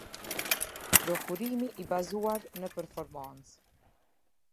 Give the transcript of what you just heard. Prokurimi i bazuar në performancë.